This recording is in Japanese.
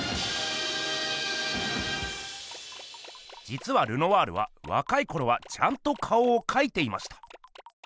じつはルノワールはわかいころはちゃんと顔をかいていました。